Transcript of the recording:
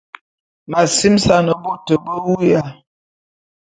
M’asimesan bot be wuya.